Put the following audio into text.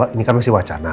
ini kan masih wacana